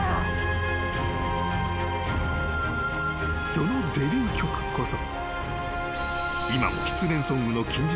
［そのデビュー曲こそ］